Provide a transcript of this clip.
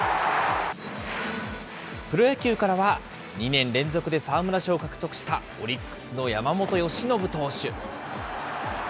プロ野球からは、２年連続で沢村賞を獲得したオリックスの山本由伸投手。